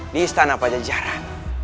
di istana pajajaran